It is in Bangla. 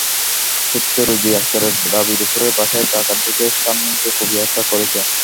সতিন রোজি আক্তারের দাবি, দুপুরে বাসায় ডাকাত ঢুকে শারমীনকে কুপিয়ে হত্যা করেছে।